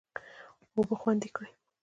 اوبه خوندي کړه.